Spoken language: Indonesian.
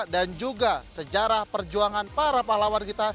dan juga sejarah perjuangan para pahlawan kita